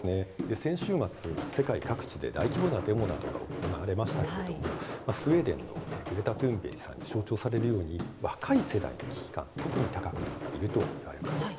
先週末世界各地で大規模なデモなど行われましたがスウェーデンのグレタ・トゥーンベリさんに象徴されるように若い世代の危機感が大きくなっているといわれます。